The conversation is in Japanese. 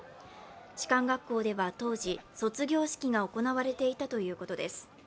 士官学校では当時、卒業式が行われていたということです。